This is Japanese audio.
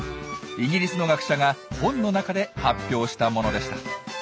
イギリスの学者が本の中で発表したものでした。